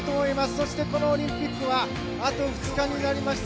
そして、このオリンピックはあと２日になりました。